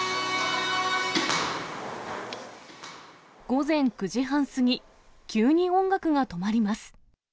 午前９時半過ぎ、急に音楽が止まります。